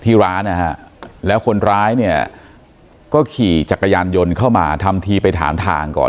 ที่ร้านนะฮะแล้วคนร้ายเนี่ยก็ขี่จักรยานยนต์เข้ามาทำทีไปถามทางก่อน